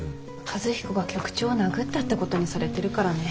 和彦が局長を殴ったってことにされてるからね。